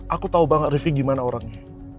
aku tau banget rifqi gimana orangnya